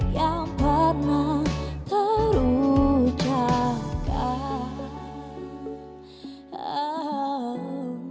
yang pernah terucapkan